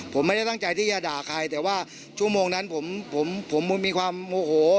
ผมไม่ได้ตั้งใจที่จะด่าใครแต่ว่าชั่วโมงนั้นผมผมมีความโมโห